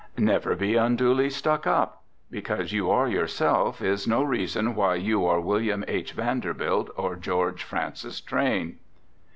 Never be unduly "stuck up." Because you are yourself is no reason why you are William H. Vanderbilt or George Francis Train.